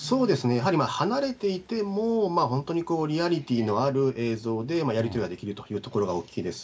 やはり離れていても、本当にリアリティーのある映像でやり取りができるというところが大きいです。